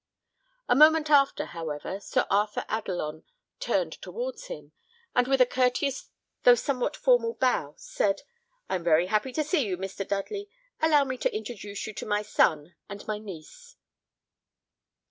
A moment after, however, Sir Arthur Adelon turned towards him, and with a courteous though somewhat formal how, said, "I am very happy to see you, Mr. Dudley; allow me to introduce you to my son and my niece."